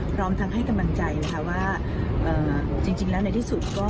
พร้อมทั้งให้กำลังใจนะคะว่าจริงแล้วในที่สุดก็